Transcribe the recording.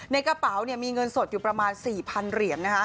ในกระเป๋ามีเงินสดอยู่ประมาณ๔๐๐เหรียญ